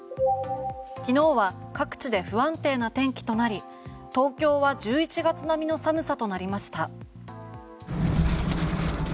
昨日は各地で不安定な天気となり東京は１１月並みの寒さとなりました。